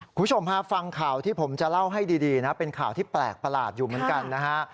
คุณผู้ชมฮะฟังข่าวที่ผมจะเล่าให้ดีนะเป็นข่าวที่แปลกประหลาดอยู่เหมือนกันนะฮะ